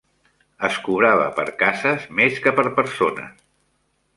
Es cobrava per cases més que per persones.